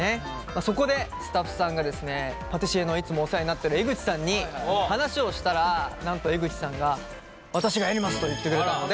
そこでスタッフさんがですねパティシエのいつもお世話になってる江口さんに話をしたらなんと江口さんが「私がやります」と言ってくれたので。